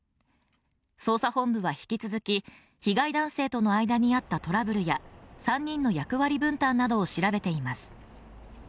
捜査本部は引き続き被害男性との間にあったトラブルや３人の役割分担などを調べています